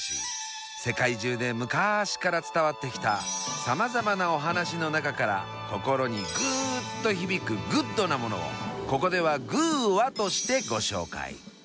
世界中でむかしから伝わってきたさまざまなお話の中から心にグーッと響くグッドなものをここでは「グぅ！話」としてご紹介。